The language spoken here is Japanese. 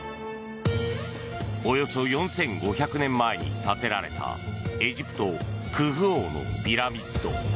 およそ４５００年前に建てられたエジプト、クフ王のピラミッド。